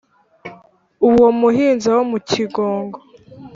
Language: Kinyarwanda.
uwo muhinza wo mu cyingogo